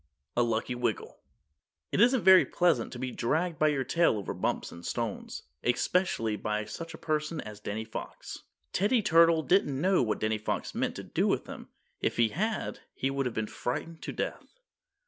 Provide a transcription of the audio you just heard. A LUCKY WIGGLE It isn't very pleasant to be dragged by your tail over bumps and stones, especially by such a person as Danny Fox. Teddy Turtle didn't know what Danny Fox meant to do with him. If he had he would have been frightened to death.